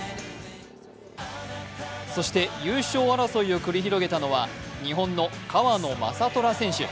そして、優勝争いを繰り広げたのは日本の川野将虎選手。